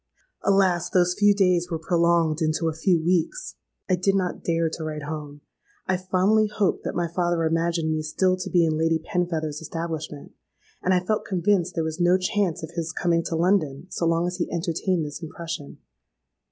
"Alas! those few days were prolonged into a few weeks. I did not dare to write home: I fondly hoped that my father imagined me still to be in Lady Penfeather's establishment; and I felt convinced there was no chance of his coming to London so long as he entertained this impression.